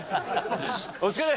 お疲れ！